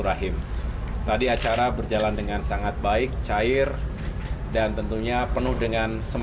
sambil jalan sambil jalan semuanya